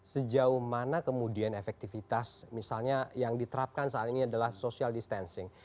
sejauh mana kemudian efektivitas misalnya yang diterapkan saat ini adalah social distancing